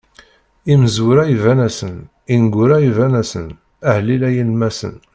Imezwura iban-asen, ineggura iban-asen, aḥlil a yilemmasen.